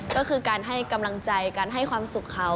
ก็คือการให้กำลังใจการให้ความสุขเขา